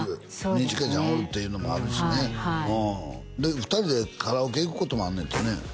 二千翔ちゃんおるっていうのもあるしねで２人でカラオケ行くこともあんねんてね？